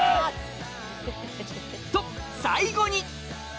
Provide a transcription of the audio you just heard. と最後に！